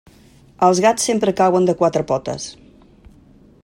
Els gats sempre cauen de quatre potes.